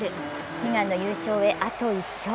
悲願の優勝へ、あと１勝。